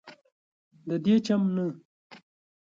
ددې چم نه